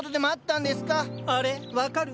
あれ分かる？